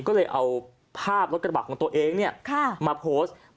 ก็เลยเอาภาพรถกระบะของตัวเองมาโพสต์